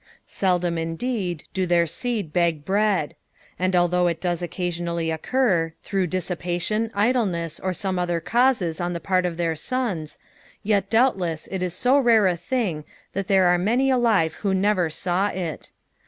Beldam indeed do their seed beg bread ; and although it does occasionally occur, through dissipation, idleness, or some other causes on the part of their sons, yet doubtless it is so rare a thing that there are many alive who never saw it.